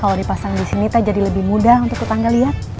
kalau dipasang di sini teh jadi lebih mudah untuk tetangga lihat